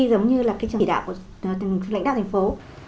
giống như là cái trường hợp của lãnh đạo thành phố